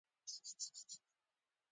په ملي کچه پراخ انسجام ته لار هواره کړي.